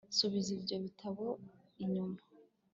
Subiza ibyo bitabo inyuma